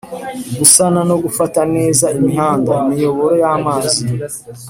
gusana no gufata neza imihanda, imiyoboro y'amazi.